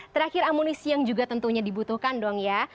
terakhir amunisi yang juga tentunya dibutuhkan dong ya